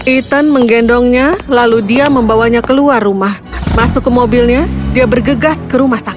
ethan menggendongnya lalu dia membawanya keluar rumah masuk ke mobilnya dia bergegas ke rumah sakit